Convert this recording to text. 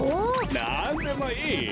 なんでもいい！